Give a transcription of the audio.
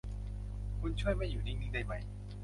คุณช่วยไม่อยู่นิ่ง ๆ ได้มั้ย